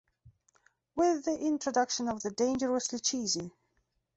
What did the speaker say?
With the introduction of the Dangerously cheesy!